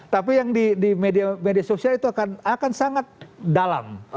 tapi yang di media sosial itu akan sangat dalam